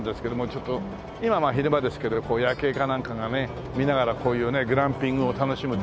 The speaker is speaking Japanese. ちょっと今昼間ですけども夜景かなんかがね見ながらこういうねグランピングを楽しむっていうのもね